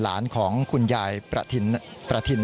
หลานของคุณยายประทิน